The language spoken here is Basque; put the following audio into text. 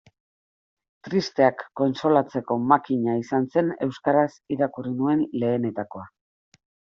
Tristeak kontsolatzeko makina izan zen euskaraz irakurri nuen lehenetakoa.